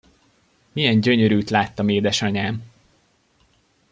Milyen gyönyörűt láttam, édesanyám!